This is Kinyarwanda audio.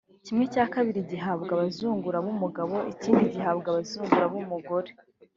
kimwe cya kabiri kigahabwa abazungura b’umugabo ikindi kigahabwa abazungura b’umugore